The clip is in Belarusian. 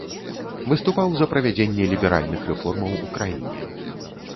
Выступаў за правядзенне ліберальных рэформаў у краіне.